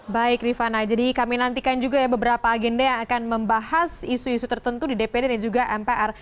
baik rifana jadi kami nantikan juga ya beberapa agenda yang akan membahas isu isu tertentu di dpd dan juga mpr